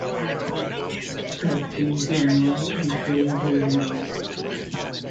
That seemed to annoy the stranger very much.